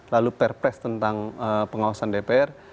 lalu perpres tentang pengawasan dpr